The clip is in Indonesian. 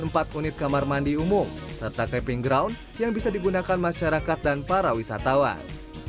empat unit kamar mandi umum serta caping ground yang bisa digunakan masyarakat dan para wisatawan